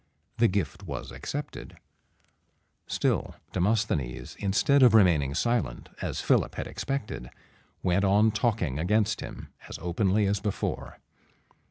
The gift was accepted; still Demosthenes, instead of remaining silent as Philip had expected, went on talking against him as openly as before.